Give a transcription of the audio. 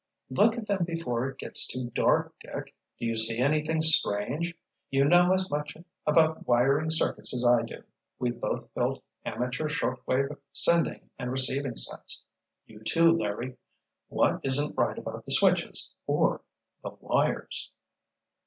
——" "Look at them before it gets too dark, Dick. Do you see anything strange? You know as much about wiring circuits as I do. We both built amateur short wave sending and receiving sets. You, too, Larry. What isn't right about the switches or—the wires?"